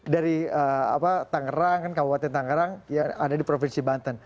dari tangerang kabupaten tangerang ada di provinsi banten